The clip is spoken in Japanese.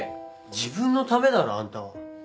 自分のためだろあんたは。